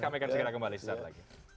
kami akan segera kembali sesaat lagi